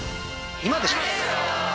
今でしょ！